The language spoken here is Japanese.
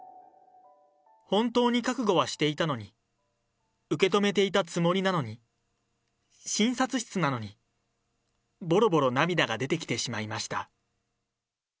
本当に覚悟はしていたのに、受け止めていたつもりなのに、診察室なのに、ぼろぼろ涙が出てきてしまいました。